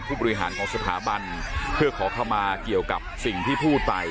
ผู้บริหารของสถาบันเพื่อขอเข้ามาเกี่ยวกับสิ่งที่พูดไป